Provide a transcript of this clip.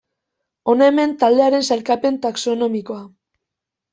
Hona hemen taldearen sailkapen taxonomikoa.